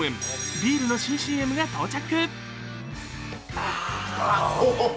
ビールの新ＣＭが到着。